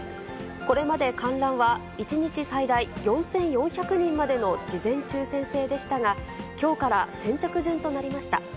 これまで観覧は１日最大４４００人までの事前抽せん制でしたが、きょうから先着順となりました。